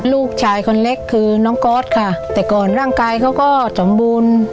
ลูกชายคนเล็กคือน้องก๊อตค่ะแต่ก่อนร่างกายเขาก็สมบูรณ์